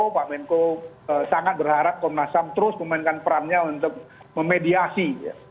pak menko sangat berharap komnas ham terus memainkan perannya untuk memediasi